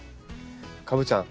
カブちゃん